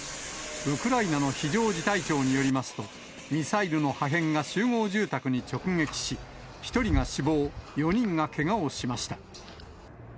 ウクライナの非常事態庁によりますと、ミサイルの破片が集合住宅に直撃し、１人が死亡、４人がけがをしました。